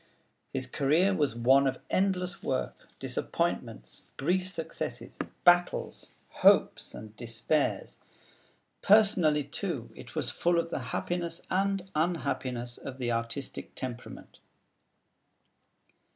His career was one of endless work, disappointments, brief successes, battles, hopes, and despairs. Personally, too, it was full of the happiness and unhappiness of the artistic temperament.